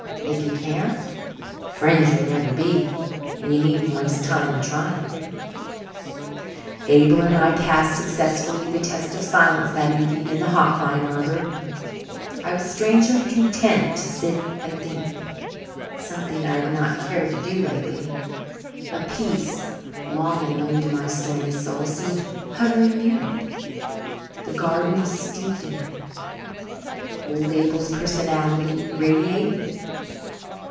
If you can't, friends you'll never be, and you needn't waste time in trying." Abel and I passed successfully the test of silence that evening in the hop vine arbour. I was strangely content to sit and think something I had not cared to do lately. A peace, long unknown to my stormy soul, seemed hovering near it. The garden was steeped in it; old Abel's personality radiated it.